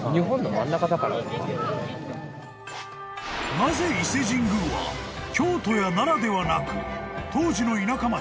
［なぜ伊勢神宮は京都や奈良ではなく当時の田舎町